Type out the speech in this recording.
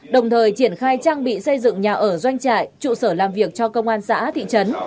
đồng thời triển khai trang bị xây dựng nhà ở doanh trại trụ sở làm việc cho công an xã thị trấn